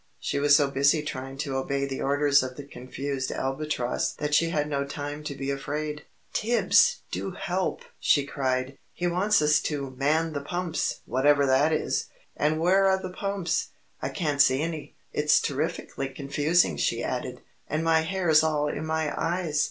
She was so busy trying to obey the orders of the confused Albatross that she had no time to be afraid. "Tibbs, do help!" she cried. "He wants us to 'man the pumps' whatever that is! And where are the pumps? I can't see any. It's terrifikly confusing!" she added. "And my hair's all in my eyes!